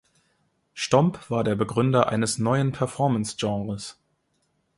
Stomp war der Begründer eines neuen Performance-Genres.